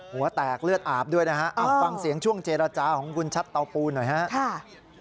หัวแตกเลือดอาบด้วยนะฮะฟังเสียงช่วงเจรจาของคุณชัดเตาปูนหน่อยครับ